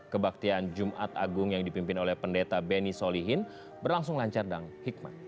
kebaktian jumat agung yang dipimpin oleh pendeta beni solihin berlangsung lancar dan hikmat